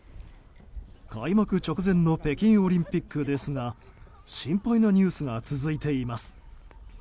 開幕直前の北京オリンピックですが心配なニュースが続いています。